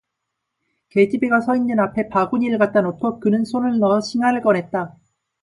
계집애가 서 있는 앞에 바구니를 갖다 놓고 그는 손을 넣어 싱아를 꺼냈다.